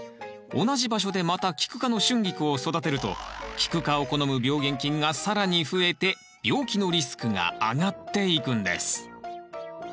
同じ場所でまたキク科のシュンギクを育てるとキク科を好む病原菌が更にふえて病気のリスクが上がっていくんです。